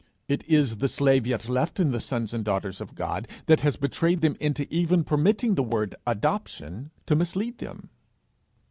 It is the slave yet left in the sons and daughters of God that has betrayed them into even permitting the word adoption to mislead them!